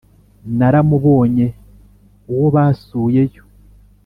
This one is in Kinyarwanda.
naramubonye uwo basuye yo